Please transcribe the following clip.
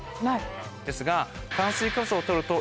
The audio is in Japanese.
ですが。